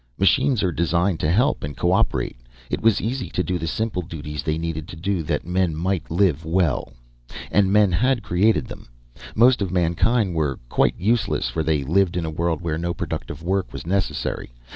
Machines are designed to help and cooperate. It was easy to do the simple duties they needed to do that men might live well. And men had created them. Most of mankind were quite useless, for they lived in a world where no productive work was necessary.